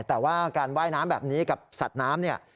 แต่ว่าการว่ายน้ำแบบนี้กับสัตว์น้ำเนี่ย